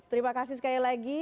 terima kasih sekali lagi